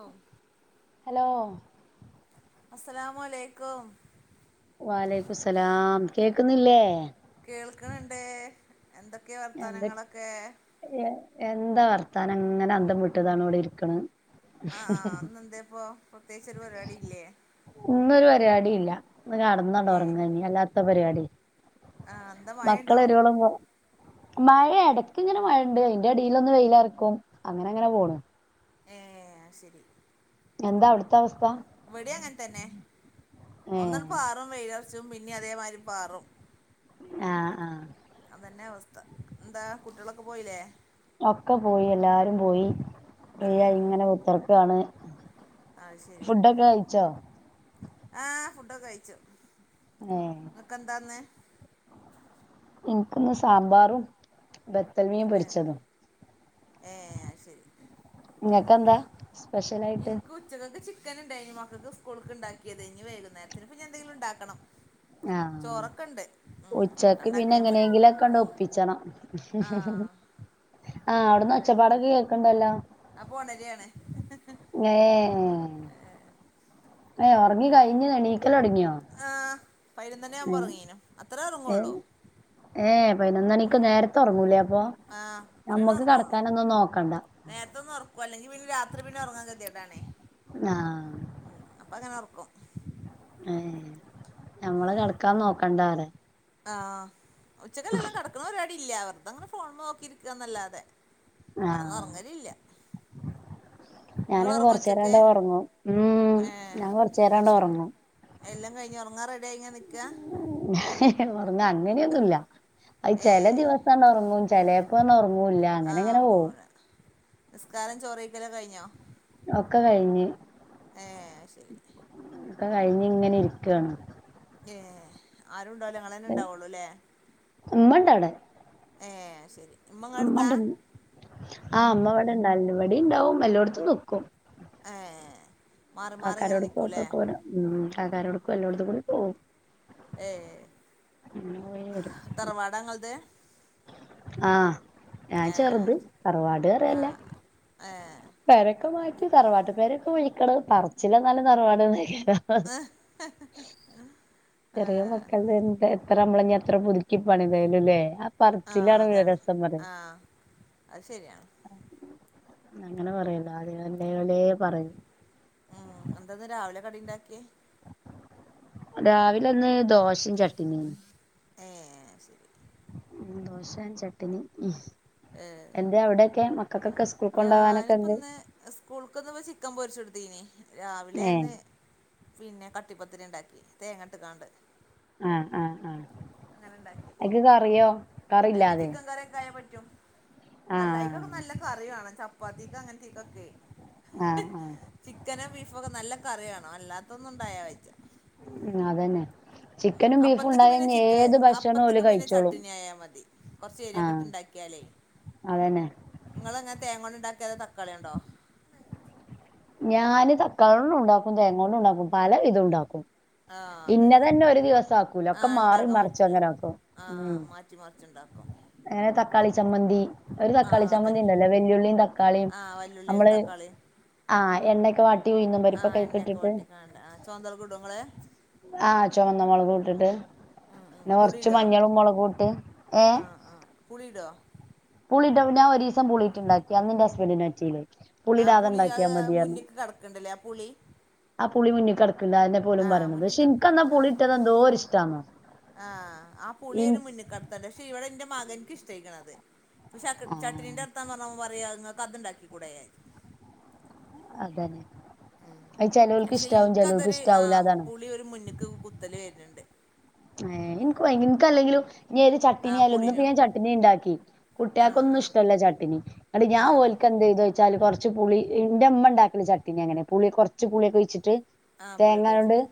ഓ. Hello. അസ്സലാമു അലൈക്കും. വ അലൈക്കുമുസ്സലാം കേക്കുന്നില്ലേ? കേൾക്കണിണ്ട് എന്തൊക്കെയ എന്തൊ വർത്താനങ്ങളൊക്കെ? എന്താ വർത്താനം ഇങ്ങനെ അന്തം വിട്ടതാണ് ഇവിടെ ഇരിക്കണ്. ആഹ് ആഹ് ഇന്ന് എന്തെ ഇപ്പൊ പ്രത്യേകിച്ച് ഒരു പരിപാടി ഇല്ലേ? ഇന്ന് ഒരു പരിപാടി ഇല്ല ഇന്ന് കടന്നണ്ട് ഏ ഒറങ്ങ കഴിഞ്ഞ അല്ലാത്ത പരിപാടി. ആ എന്താ മഴയുണ്ടോ മക്കള് വരുവോളം മഴ ഇടയ്ക്ക് ഇങ്ങനെ മഴയുണ്ട് അതിന്റെ ഇടെയിൽ ഒന്ന് വെയില് ഇറക്കും അങ്ങനെ അങ്ങനെ പോണ്. ഏഹ് ആഹ് ശരി. എന്താ അവിടുത്ത അവസ്ഥ? ഇവടേം അങ്ങൻ തന്നെ ഏ ഒന്ന് അങ്ങട് പാറും വെയിലറച്ചും പിന്നെ അതേമായിരി പാറും. ആഹ് ആഹ്. അതന്നെ അവസ്ഥ എന്താ കുട്ടികളൊക്കെ പോയിലെ? ഒക്കെ പോയി എല്ലാരും പോയി ഇനി ആ ഞാൻ ഇങ്ങനെ കുത്തർക്കാണ്. അത് ഫുഡൊക്കെ കഴിച്ചോ? ആഹ് ഫുഡൊക്കെ കഴിച്ചു. ഏഹ്. ക്കെന്താ ഇന്ന്. ഇൻക്കിന്ന് സാമ്പാറും ബത്തൽ മീ ഏ പൊരിച്ചതും, ഏ അത് ശരി ഇങ്ങക്കെന്താ? സ്പെഷ്യല്? ഇൻക്ക് ഉച്ചക്ക്ക്ക് ചിക്കൻ ഇണ്ടെയിനു മക്കൾക്ക് സ്കൂൾക്ക്ണ്ടാക്കിയത് ഇനി വൈകുന്നേരത്തിന് ഇനി എന്തെങ്കിലും ഇണ്ടാക്കണം. ആഹ് ഉച്ചക്ക് പിന്നെ കൂട്ടാണ്ടാക്കിയാൽ മതി എങ്ങനെയെങ്കിലും ഒക്കണ്ട് ഒപ്പിച്ചണം. ആ ആഹ് അവിടന്ന് ഒച്ചപ്പാടൊക്കെ കേൾക്കണ്ടല്ലോ. അപോണരിയാണ്. ഏഹ് ഏഹ് ഉറങ്ങി കഴിഞ്ഞ് എണീക്കലൊടങ്ങിയോ? ആഹ് പയിനൊന്നു മണി ആവുമ്പോ ഏഹ് ഉറങ്ങീനു അത്രേ ഏഹ് ഒറങ്ങൊള്ളൂ. ഏഹ് പയിനൊന്നണിക്ക് നേരത്തെ ഉറങ്ങൂലേ അപ്പൊ ആ അത്രേന്നെ നമ്മക്ക് ഉറങ്ങുള്ളൂ കിടക്കാനൊന്നും നോക്കണ്ട. നേരത്തെ ഒന്ന് ഒറക്കും അല്ലെങ്കി പിന്നെ രാത്രി പിന്നെ ഒറങ്ങാൻ കതിയിട്ടാണേ. ആഹ്. ഉം അപ്പം അങ്ങനെ ഒറക്കും. ഏഹ് ഞമ്മള് കെടക്കാൻ നോക്കണ്ടലെ. ആഹ് ഉച്ചക്ക് ആ [unintelligible] കെടകണ പരിപാടി ഇല്ല വേറുതങ്ങനെ ഫോൺ നോക്കിയിരിക്കുക എന്നല്ലാതെ കെടന്ന് ആഹ് ഒറങ്ങല് ഇല്ല. ഞാനത് കുറച്ചു നേരം ഉച്ചക്ക് അണ്ട് ഉറങ്ങും ഉം ഏ ഞാൻ കൊറച്ചു അത് നേരാണ്ട് ശരി ഒറങ്ങും. എല്ലാം കഴിഞ്ഞ് ഒറങ്ങാൻ റെഡി ആയി നിക്കാ? ഒറങ്ങ അങ്ങനെയൊന്നുല്ല അ ചില ഏ ദിവസ് സണ്ട് ഒറങ്ങും ചെലെപ്പോന്നും ഒറങ്ങൂല്ല. ആഹ് ഒറങ്ങൂല നിസ്കാരം ചോറയ്ക്കൽ ഒക്കെ കഴിഞ്ഞോ? ഒക്കെ കഴിഞ്ഞ്. ഏഹ് അയ് ശരി. ഒക്കെ കഴിഞ്ഞിങ്ങനെ ഇരിക്കാണ്. ഏ ആരു ഉണ്ടാവല്ലോ ങ്ങളന്നെ ഉണ്ടാവുള്ളൂ ല്ലേ? ഉമ്മണ്ടവിടെ- ഏഹ്അയ് ശരി. ഇമ്മ ഇങ്ങടുത്താ അമ്മാണ്ട്ന്ന് ആഹ് അമ്മ ഇവിടെണ്ടാവലുണ്ട് ഇവിടെ ഇണ്ടാവും എല്ലോടത്തും നിക്കും. ഏഹ് മാറി മാറി ഇങ്ങനെ കാക്കാരോട്ക്കും നിൽകൂല്ലേ? ഒക്കെക്കും ഉം താത്തരോടുക്കും എല്ലോടതുകുടിം പോവും- ഏഹ് അങ്ങനെ പോയി വരും തറവാട ഇങ്ങളദ്- ആഹ് ഞാൻ ചെറുത് തറവാട് പറയാൻ ല്ലേ- ഏഹ്. പേരൊക്കെ മാറ്റി തറവാട്ട് പേരൊക്കെ പൊയ്ക്കണ് പറച്ചില് ന്നാലും തറവാട് ന്നയ് ആഏഹ് ചെറിയ മക്കള എന്താ എത്ര നമ്മള എത്ര പുതുക്കി പണിതലുംല്ലേ? ആ പറച്ചിലാണ് ലെ അതാണ് രസം പറ ആ അത് ശരിയാണ് അങ്ങനെ പറയല്ലോ ആദ്യ എല്ലേല പറയ്- ഉം എന്താന്ന് രാവിലെ കടിണ്ടാക്കിയെ? രാവിലന്ന് ദോശയും ചട്നിം. ഏഹ് ശരി. ഉം ദോശം ചട്ട്നി ഉം എന്തേ അവിടെക്കെ മക്കൾക്കൊക്കെ സ്കൂൾ കൊണ്ടോവാനൊക്കെ ഞാനിപ്പൊ എന്ത് ഇന്ന് സ്കൂൾക്കൊന്ന് ചിക്കൻ പൊരിച്ചെടുത്തീനീ ഏ രാവിലെന്ന്. പിന്നെ കട്ടിപ്പത്തിരി ഉണ്ടാക്കി തേങ്ങട്ടക്കാണ്ട്. ആഹ് ആഹ് ആഹ്. അങ്ങനെണ്ടാക്കി- അയിക്ക് കറിയോ? അയിക്ക് കറിയില്ലാതെ ചിക്കൻ കറിയൊകായാൽ പറ്റും നല്ല ആഹ് അക്കൊക്കെ നല്ല കറിവാണം ചപ്പാത്തിക്ക് അങ്ങനത്തേകൊക്കെ ആഹ് ആഹ്- ചിക്കനോ ബീഫൊക്കെ നല്ല കറിവാണം അല്ലാത്തൊന്നും ഉണ്ടായ വെജ- ഉം അതന്നെ. ഉം ചിക്കനും ബീഫും അപ്പത്തിക്ക് ഉണ്ടായ പിന്നെ ഇനി ചിക്കൻ ഏത് ഭക്ഷണവും ഓല് അപ്പത്ത്ക്ക് പിന്നെ കഴിച്ചോളും ചട്ടണി ആയാൽ മതി. കുറചെരുയൊക്കെ ആഹ് ഇട്ട്ഇ ണ്ടാക്കിയാലേ- അതന്നെ. നിങ്ങളങ്ങനെ തേങ്ങ കൊണ്ട ഉണ്ടാക്കിയത തക്കാളികൊണ്ടോ? ഞാന് തക്കാളി കൊണ്ടും ഉണ്ടാക്കും തേങ്ങ കൊണ്ടും ഉണ്ടാക്കും പല വിധം ഉണ്ടാക്കും. ആഹ് അതന്നെ ഇന്നതന്നെ ഒരു ദിവസം ആക്കൂല ഒക്കെ ആഹ് മാറി ഉണ്ടാക്കാൻ മറിച്ച് പറ്റില്ല അങ്ങനെ ആക്കും ആഹ് ഉം. മാറ്റി മറിച്ചുണ്ടാക്കും അങ്ങനെ തക്കാളി ചമ്മന്തി ഒരു തക്കാളി ആഹ് ചമ്മന്തി അതന്നെ ഉണ്ടല്ലോ വെല്ലുള്ളിയും തക്കാളിയും ആഹ് വല്ലുള്ളി നമ്മള് തക്കാളി ആഹ് എണ്ണയൊക്കെ വാട്ടി ഉഴുന്നും ആഹ് പരിപ്പൊയിക്കെ എണ്ണയൊക്കെ ഇട്ടിട്ട്- വട്ടിക്കാണ്ട് ആഹ് ചുവന്തളൊക്കെ ഇടോ ഇങ്ങള് ആഹ് ചൊമന്ന മുളകും ഇട്ടിട്ട്. ഉം ഉം പിന്നെ കൊറച്ച് പുളിയിടോ മഞ്ഞളും മുളകും ഇട്ട് ഏഹ്. - ആഹ് ആഹ്. പുളിയിടുവോ? പുളിയിട്ടപ്പം ഞാൻ ഒരു ദിവസം പുളിയിട്ടുണ്ടാക്കി അന്ന് എന്റെ ഹസ്ബൻഡ്ഇന് പറ്റിയില്ലേ ആഹ് പുളി അത് മുന്നേക്ക് കിടക്കണ്ടല്ലേ ആ പുളി- ആ പുളി മുന്നി കിടക്കണ്ട് അയിന്റെ ആഹ് മുന്നിക്കിടക്കുണ്ട് ആഹ് ഒരു ഇഷ്ടാന്നോ ആഹ് ആ ഇൻ പുളിയൊരു ഒരു മുന്നിക്കട ണ്ട് പക്ഷെ ഇവിടെ എന്റെ മകന്ക്ക് ഇഷ്ടായിക്കണത് ആ ചട്നി അ- [unintelligible] നിങ്ങക്ക് അതുണ്ടാക്കി കൂടെ അതന്നെ. ഉം അത് ചെലോൽക്ക് പക്ഷെ ഇഷ്ടാവും ചെലോൽക്ക് ഇനക്ക്തൊരു ഇഷ്ടാവൂല അതാണ് പുളി ഒരു മുന്നക്ക് കുത്തല് വരുന്നുണ്ട്. ഏഹ് എനിക്ക് എനിക്കല്ലെങ്കിലും ഇനിയൊര് ചട്നി ആഹ് അല്ലെന്ന് പുളിനോ പിന്നെ ഞാൻ ചട്നി ണ്ടാക്കി ആഹ് കുട്ടിയാക്കൊന്നും ആഹ് ഇഷ്ടല്ല ചട്നി ന്നട്ട് ഞാൻ ആഹ് ഓൽക്ക് എന്തെയ്ത്ച് ച്ചാല് കൊറച്ച് പുളി ഇന്റെ മ്മ ണ്ടാക്ക്ണ ചട്നി അങ്ങനെ പുളി കൊറച്ച് പുളിയൊക്കെ ഒഴിച്ചിട്ട് ആഹ് പുളിയൊക്കെ തേങ്ങായവ്ണ്ട് ഒഴിച്ചിട്ട്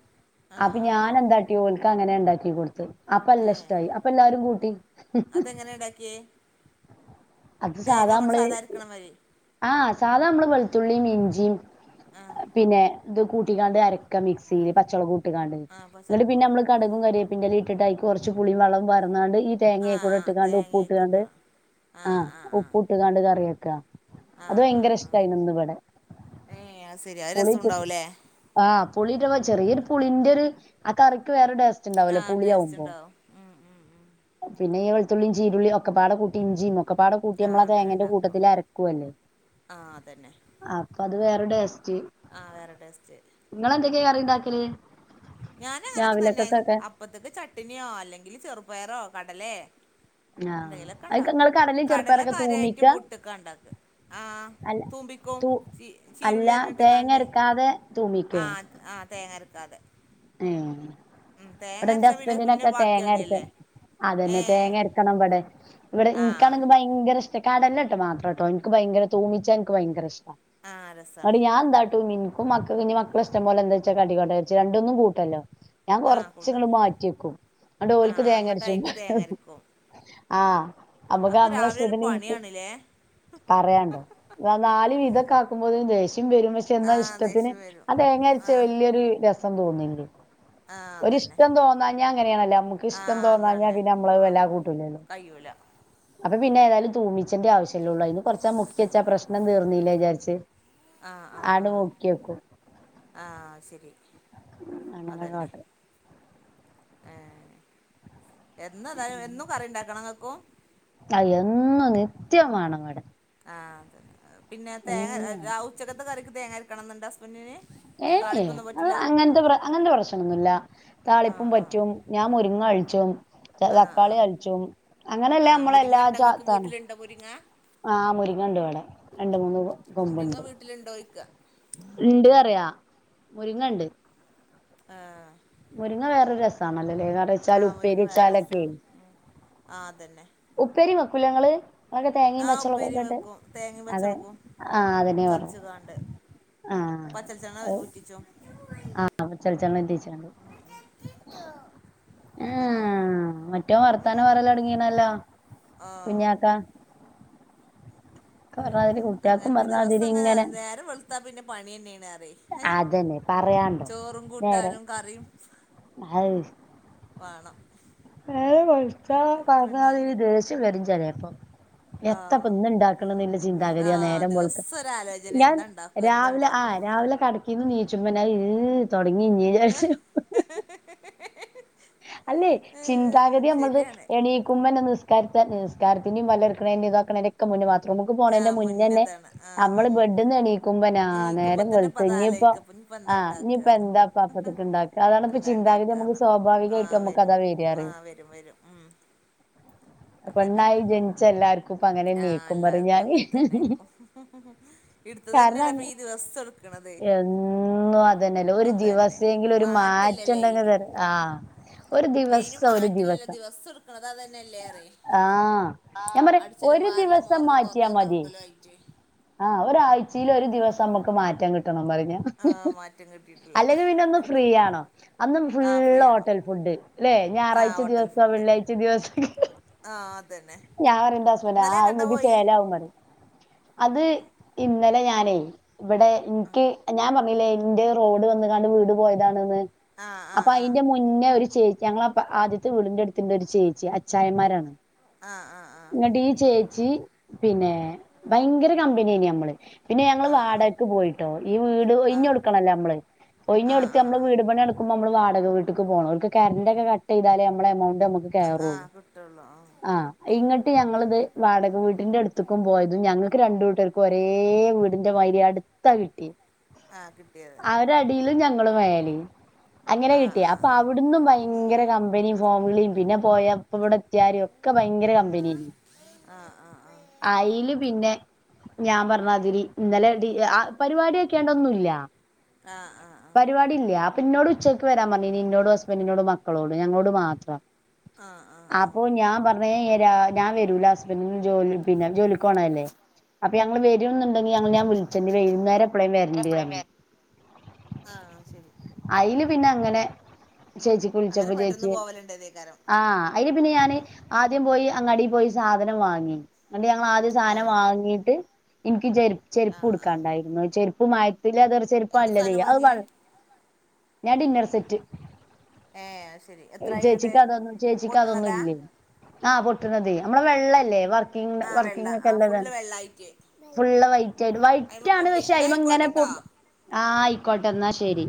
ആഹ് അപ്പൊ ആഹ് ഞാൻ ആഹ് എന്താട്ട് ട്ടി ഓൽക്കങ്ങനെണ്ടാക്കി കൊടുത്തു അപ്പല്ലഷ്ടായി അപ്പല്ലാരും കൂട്ടി എങ്ങനെ ണ്ടാക്കിയെ അത് സാധാ മ്മള് അരക്കണ മാതിരി ആ സാധാ മ്മള് വെളുത്തുള്ളിം ഇഞ്ചിം ആഹ് പിന്നെ ത് കൂട്ടിക്കാണ്ട് അരക്ക മിക്സിയില് പച്ചൊമളകും ട്ട്ങാണ്ട് ആഹ് ന്നട്ട് പിന്നെ പച്ചവെളുപ്പം മ്മള് കടുകും കരിയേപ്പിന്റെ ലയും ഇട്ടിട്ട് അയ്ക്ക് കൊറച്ച് പുളിയും വള്ളം പാറ്ന്നാണ്ട് ഈ ആഹ് തേങ്ങിംഅയികൂടെ ആഹ് ട്ട്ങാണ്ട് ഉപ്പും തേങ്ങയൊക്കെ ട്ട്ങാണ്ട് ഇട്ട് ആ ആഹ് ആഹ് ആഹ് ഉപ്പും ട്ട് ങാണ്ട് കറി വെക്ക അത് ആഹ് ഭയങ്കര ആഹ് ആഹ് ഇഷ്ടായിന് ന്ന്വ്ടെ ഏഹ് അത് ശരി അത് പുളി രസം ഇട്ടിട്ട് ഉണ്ടാവുംല്ലേ ആ പുളിട്മ്പൊ ചെറിയൊര് പുളിന്റെ ര് ആ കറിക്ക് വേറൊരു ടേസ് സ്റ്റ് ണ്ടാവൂല്ലേ ആഹ് ടേസ്റ്റ് പുളിയാവുമ്പൊം ഉണ്ടാവും ഉം ഉം ഉം പിന്നെ ഈ വെളത്തുള്ളിം ചീരുള്ളിം ഒക്കെപ്പാടെ കൂട്ടി ഇഞ്ചിംഒക്കെപ്പാടെ കൂ കൂട്ടി ആഹ് നമ്മള് ആ അങ്ങനെ തേങ്ങേന്റെ ഉണ്ടാക്കും കൂട്ടത്തില് അരക്കുവല്ലേ ആഹ് അതന്നെ അപ്പത് വേറെ ടേസ്റ്റ് ആ വേറെ ടേസ്റ്റ് ങ്ങളെന്തൊക്കേ കറിണ്ടാക്കല് ഞാന് അങ്ങനൊക്കെ തന്നെ അപ്പത്ത്ക്ക് ചട്നിയോ അല്ലെങ്കിൽ ചെറുപയറോ കടലേ ആഹ് എന്തെങ്കിലൊക്കെ അയ്ക്ക് ണ്ടാക്കും ഇങ്ങള് കടലിം കടല ചെറുപ്പയറൊക്കെ തൂമിക്ക കാര്യായിട്ടും പുട്ട്ക്കാണ്ടാക്കാ ആ അല്ല തൂമ്പിക്കും തൂ ചി അല്ല ചീരുള്ളി തേങ്ങ അരിഞ്ഞിട്ട്കാണ്ട് അരക്കാതെ തൂമിക്കേ ആത് ആ തേങ്ങരക്കാതെ ഏ വ്ടെ ന്റെ അരച്ചാൽ പിന്നെ പിന്നെ ഹസ്ബൻഡിനൊക്കെ തേങ്ങരച്ച് ബാക്കിയാകുകയല്ലേ ഏ അതന്നെ തേങ്ങെരക്കണം ഇവടെ ഇവ്ടെ ആ ഇന്ക്കാണെങ്കി ഭയൻ ഭയങ്കര ഇഷ്ടാ കടല ട്ട് മാത്രട്ടോ ന്ക്ക് ഭയങ്കര തൂമിച്ചാ ന്ക്ക് ഭയങ്കര ഷ്ടാ ആ നെട്ട് രസമാണ് ഞാനെന്താട്ടും ഇന്ക്കും മക്കക്കും ഇനി മക്കളെ ഇഷ്ടം പോലെ എന്താച്ചാ കാട്ടിക്കോട്ട വെച്ച് രണ്ട്ന്നും കൂ ട്ടല്ലോ ഞാൻ ആ കൊറച്ച്ങ്ങട് കൂട്ടണം മാറ്റിക്കും ന്നട്ട് ആ ഓൽക് അങ്ങോട്ട് തേങ്ങരച്ചു [unintelligible] അതിക്ക് തേങ്ങ വെക്കും അരക്കും ആ ആ, അമ്ക്ക് അതൊക്കെ അമ്മ്ളെ രാവിലെ ഒരു ഇഷ്ടത്തിന്ഇൻക് പണിയാണല്ലേ പറയാണ്ടൊ ന നാല് വിതൊക്കെ ആക്കുമ്പോതിനാ ദേഷ്യം വെരും പക്ഷെ ആ ചെന്ന ഇഷ്ടത്തിന് ദേഷ്യം വരും ആ ആ തേങ്ങരച്ചെ വലിയൊരു രസം തോന്നില്ലേ ആ അതന്നെ ഒരിഷ്ടം തോന്നഞ്ഞാൽ അങ്ങനെയാണല്ലോ നമക്ക് ആ ഇഷ്ടം തോന്നാഞ്ഞാൽ അതന്നെ പിന്നെ മ്മള് ആ അത് വല്ലാകൂട്ടൂലല്ലോ കഴിയൂല അപ്പൊ പിന്നെ ഏതായാലും തൂമിച്ചേന്റെ ആവിശ്യല്ലേള്ളൂ അയിന് കുറച്ചാമുക്കിച്ചാ പ്രശ്നം തീർന്നീല്ലേ ചാരിച്ച് ആ ആ ആ ആ സെരി അങ്ങനെ ഒരു അതെന്നെ ഓട്ടം ഏ എന്നതായാൽഎന്നും കറി ണ്ടാക്കണോങ്ങക്കും അ എന്നും നിത്യം വാണംവ്ടെ ആ ത് പിന്നെ തേങ്ങ വേണം രാവ് ഉച്ചകത്തെ കറിക്ക് തേങ്ങരക്കണംന്ന്ണ്ടൊ ഹസ്ബെന്റിന് ഏയെ അത് അങ്ങൻത്തെ പ്ര അങ്ങൻത്തെ പ്രശ്നങ്ങന്നുല്ല ആ താളിപ്പും ആ പറ്റും ഞാൻ മുരിങ്ങാൾച്ചും ആ ആ തതക്കാള്യാൾച്ചും അങ്ങനെല്ല ആ മ്മള മുരിങ്ങ എല്ലാ ഉണ്ടോ ജാ ഇങ്ങക്ക് താണ് വീട്ടിലുണ്ടോ മുരിങ്ങ ആ മുരിങ്ങണ്ട് വ്ടെ രണ്ട് മൂന്ന് ന്തിങ്ങ കൊമ്പുണ്ട് വീട്ടില്ണ്ടോയ്ക ഇണ്ട് അറ്യാ മുരിങ്ങണ്ട് ആ മുരിങ്ങ വേറൊരു രസാണല്ലോലേ ആ കറി‌യെച്ചാലും മുരിങ്ങ വേറെ ഉപ്പേരിച്ചാലൊക്കെ രസാണ് ആ തന്നെ ഉപ്പേരി വെക്കുലങ്ങള് ങളൊകെ തേങ്ങിം ആ ഉപ്പേരിയും പച്ചളൊകൊക്കെട്ട് വെക്കും തേങ്ങയും അതെ പച്ചളകും ആതന്നെ പർഞ്ഞ ചതച്ച്കാണ്ട് ആ പച്ചളിച്ചെണ്ണ ഔ ഉറ്റിച്ചും ആ ച്ചൾച്ചെണ്ണറ്റിച്ചാണ്ട് അതന്നെ [unintelligible] മറ്റോം വർത്താനം പറേലൊട്ങ്ങീണല്ലോ ആ കുഞ്ഞാക്ക ആഹ് പറഞ്ഞാതിരി കുട്ടികൾക്കും അങ്ങനന്നെ ദിവസം പറഞ്ഞാതിരി അങ്ങനെ ഇങ്ങനെ നേരംവെളുത്താപിന്നെ പണ്യന്നേണ് പറ്‌യേ. ഹയ് അതന്നെ പറയാണ്ടോ ചോറും നേരെ കൂട്ടാനും കറിയും വാണം നേരം വെൾത്താ പർഞ്ഞാതിരി ദേഷ്യം വെരും ചെലേപ്പം ആഹ് എത്താപ്പം ഇന്ന്ണ്ടാക്ക്ണ്ന്നില്ല ചിന്താഗതിയാ ആഹ് നേരം വെൾക്ക ദിവസം ഒരാലോചന ഞാൻ എന്താ ഉണ്ടാക്കും എന്താ രാവിലെ ഉണ്ടാക്കും ആഹ് രാവിലെ കട്ക്കീന്ന് നീച്ചുമ്പന്നെ അയ് തൊട്ങ്ങിഞ്ഞി അല്ലെയ് ഏഹ് ചിന്താഗതി ഞമ്മൾത് ശരിയാണ് എണീക്കുമ്പന്നെ നിസ് സ്ക്കാര്ത്തെ നിസ്കാരത്തിന്റിം പല്ലൊര്ക്ക്ണെന്റിം ഇതാക്ക്ണേന്റെ ക്കെമുന്നെ ബാത്റൂമിക്ക് പോണേന്റെ ആഹ് മുന്നന്നെ മുന്നതാണ് ആഹ് നമ്മള് ഉം ബെഡ്ന്നെണീക്കുമ്പന്നെ ആഹ് നീക്കുമ്പോ നേരം തന്നെ ഇപ്പ വെൾത്ത് അത് ഞ്ഞിപ്പോ ആലോചിക്കും അപ്പൊ ഇനിയിപ്പോ എന്താ ആഹ് ഉണ്ടാക്കുക ഇഞ്ഞിപ്പെന്താ പപ്പത്തിക്ണ്ടാക്ക അതാണ്പ്പ എന്താ ചിന്താഗതി ഉണ്ടാക്കുക നമുക്ക് എന്നുള്ളത് സ്വാഭാവി ആഹ് വെരും ആഹ് വെരും വെരും ഉം അതന്നെ പെണ്ണായി ജൻച്ച എല്ലാര് ആഹ് എല്ലാര്ക്കും അങ്ങൻതന്നേക്കും കാരണം ഇട്ത്തതന്നെല്ലപ്പൊ അങ്ങ ഈ ദിവസും ഇട് എന്നും അതന്നെല്ലേ ഒരു അതന്നെ ദിവസെങ്കിലും ഒരു മാറ്റല്ലല്ലേ മാറ്റണ്ടെങ്കി അയിനും തര് ആഹ് ഒരു ദിവസ്സം ഒരു ദിവസം സ്സുട്ക്ക്ണതതന്നല്ലേറ്യെ ആ ഞാൻ ആഹ് പറയാ അട് ച്ചലും ഒരു വാരലും ദിവസം മോറലും തോത്തലും തൊട്ക്കലും ആയിറ്റ് ആഹ് ഒരാഴ്ച്ചീലൊരു ദിവസം മ്മക്ക് മാറ്റം കിട്ടണം പറിം ഞാൻ ആഹ് മാറ്റം കി അല്ലെങ്കി പിന്നൊന്ന് ഫ്രീ ആണം അന്നും ആഹ് ഫ്രീ ഫുള്ള് ആണോ ഹോട്ടൽ ഫുഡ് ല്ലെ ആഹ് ഞായറാഴ്ച ഹോട്ടൽ ദിവസോ ഫുഡ് വെള്ളിയാഴ്ച ദിവസം ആഹ് അതന്നെ ഞാൻ പറിംന്റെ ഹസ്ബന്റ് ആഹ് ഇന്നലെ എങ്ങട്ടാ അഹ്ങ്ങക്ക് പോയി ചേലാവും പറ്‌യും അത് ഇന്നലെ ഞാനെ ഇവടെ ഇൻക്കി ഞാൻ പർഞ്ഞിലേ ഇന്റെ റോഡ് വന്ന് കാണ്ട് വീട് പോയതാണ്ന്ന് ആഹ് ആഹ് അപ്പയ്ന്റെ മുന്നേ ഒരു ചേച്ചി ഞങ്ങള ആദ്യത്തെ വീടിന്റെട്ത്തിണ്ടൊരു ചേച്ചി അച്ഛായന്മാരാണ് ആഹ് ആഹ് ആഹ് ഇങ്ങട്ടീ ചേച്ചി പിന്നെ ഭയങ്കര കമ്പന്യേനി ഞമ്മള് പിന്നെ ഞങ്ങൾ ആഹ് ആഹ് ആഹ് വാടകക്ക് പോയിട്ടോ ഈ വീട് ആഹ് ഒഴ്ഞ്ഞൊട്ക്കണല്ലോ ഞമ്മള് ആഹ് ഒയ്ഞ്ഞൊട്ത്ത് മ്മളെ ആഹ് ആഹ് വീട് പണിയാണ്ട് ക്കുമ്പമ്മള് വാടക വീട്ടിക്ക് പോണം ഓര്ക്ക് കര്ന്റൊക്കെ കട്ടെയ്താലേ മ്മളെ എമൗണ്ടമ്മക്ക് കേറൊള്ളൂ ട്ടൊള്ളു. ആഹ് ആഹ് ഇങ്ങട്ട് ഞങ്ങള്ത് വാടക വീട്ടിന്റെട്ത്തിക്കും പോയതും ഞങ്ങൾക്ക് രണ്ടൂട്ടര് ഒരേവീടിന്റെ മായ്രി അട്ത്താ കിട്ട്‌യേ ആഹ് കിട്ട്യത് അവരടീലും ഞങ്ങള് മേലിം അങ്ങനെ ആഹ് കിട്ട്യേ. അ പ്പ ആഹ് അവിട്ന്നും ഭയങ്കര കമ്പനിം ഫോൺവിളീം പിന്നെ പോയപ്പവിടെ എത്തിയാരോ ക്ക ഭയങ്കര കമ്പന്യേനി. ആഹ് ആഹ് ആഹ് അയില് പിന്നെ ഞാൻ പർഞ്ഞാതിരി ഇന്നലെ ടീ ആ പരിപാട്യാക്ക്യാണ്ടൊന്നു ല്ല. ആഹ് ആഹ് ആഹ് ടില്ല്യ. അപ്പൊ ഇന്നോട് ഉച്ചയ്ക്ക് വരാൻ പറഞ്ഞീനി ഇന്നോടും ഹസ്ബൻഡിനോടും മക്കളോടും ഞങ്ങളോട് മാത്രം ആഹ് ആഹ് ആഹ് അപ്പൊ ഞാൻ പറഞ് ഏഹ് രാ ഞാൻ വരൂല ഹസ്ബൻഡിന് ജോലി പിന്നെ ജോലിക്കോണഅല്ലേ അപ്പൊ ഞങ്ങള് വരുംന്നുണ്ടെങ്കി ഞൾ ഞാ വിളിച്ചണ്ട് വൈകുന്നേരം എപ്പ്ളേം വരന്റ് അറഞ്ഞ് ആഹ് ആഹ് ശരി അയില് പിന്നെ അങ്ങനെ ചേച്ചിക്ക് അങ്ങനെ വിൾച്ചപ്പൊ ചേച്ചി പെട്ടെന്ന് പോവലുണ്ടതേക്കാരം ആഹ് അയില് പിന്നെ ഞാന് ആദ്യം പോയി അങ്ങാടീ പോയി സാധനം വാങ്ങി ഇങ്ങട്ട് ഞങ്ങൾ ആദ്യം സാനം ഏഹ് വാങ്ങീട്ട് ഇൻക്ക് ചെര് ആഹ് ആഹ് ചെര്പ്പൂട്ക്കാണ്ടായിരുന്നു ചെരുപ്പ് മയത്തിലതർ ചെരുപ്പാ എന്ത് ഇല്ലതേ സാധനം അത് വാങ്ങിയേ വൾ ഞാൻ ഡിന്നർ സെറ്റ് ഏഹ് അത് ശരി അഹ് എത്രായി ഇങ്ങട്ട് ചേച്ചിക്കതൊന്നും ചേച്ചിക്കതൊന്നും പൊട്ടണതാ ഇല്ലേ ആഹ് പൊട്ടുണതേയ് നമ്മളെ വെള്ളല്ലേ വർ ക്കിങ് ആഹ് വെള്ള വർക്കിങ് ആഹ് ഒക്കെള്ളത്. ഫുള്ള് വെള്ളായിട്ട് ഫുള്ള് വൈറ്റായിട്ട് അയിമ വൈറ്റാണ് പുള്ളി പക്ഷെ എന്നാ അയീമങ്ങനെ ആയിക്കോട്ടെട്ടോ ആഹ് ആയിക്കോട്ടെ ന്നാ ശരി.